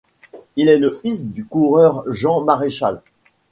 Il est le fils du coureur Jean Maréchal.